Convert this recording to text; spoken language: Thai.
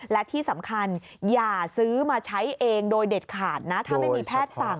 และที่สำคัญอย่าซื้อมาใช้เองโดยเด็ดขาดนะถ้าไม่มีแพทย์สั่ง